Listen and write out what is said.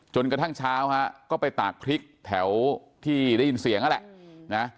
จนกระทั่งเช้าฮะก็ไปตากพริกแถวที่ได้ยินเสียงนั่นแหละนะ